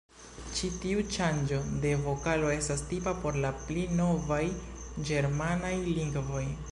Ĉi tiu ŝanĝo de vokalo estas tipa por la pli novaj ĝermanaj lingvoj.